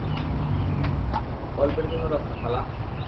অল্পের জন্য রক্ষা, খালা।